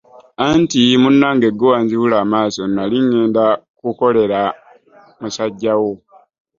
Anti munnange gwe wanzibula amaaso nnali ng'enda kukolera Musajja wo.